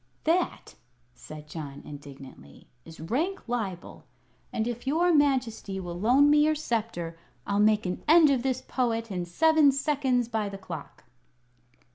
"That," said John, indignantly, "is rank libel; and if your Majesty will loan me your sceptre, I'll make an end of this Poet in seven seconds by the clock."